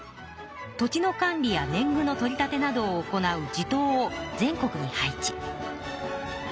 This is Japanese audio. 土地の管理や年ぐの取り立てなどを行う地頭を全国に配置。